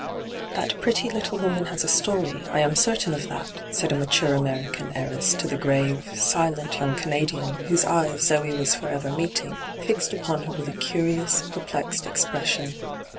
' That pretty little woman has a story, I am certain of that,* said a mature American heiress to the grave, silent young Canadian whose eyes Zoe was for ever meeting, fixed upon her with a curious, perplexed expression.